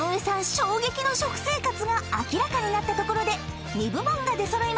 衝撃の食生活が明らかになったところで２部門が出揃いました］